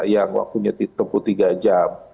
yang waktu punya tepuk tiga jam